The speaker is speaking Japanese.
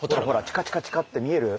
チカチカチカって見える？